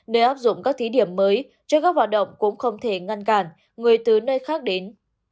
nếu áp dụng các thí điểm mới cho các hoạt động cũng không thể ngăn cản người từ nơi khác đến